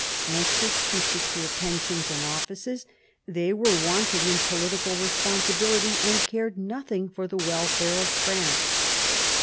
Anxious to secure pensions and offices, they were wanting in political responsibility, and cared nothing for the welfare of France.